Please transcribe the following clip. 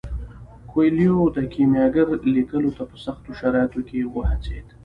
کویلیو د کیمیاګر لیکلو ته په سختو شرایطو کې وهڅید.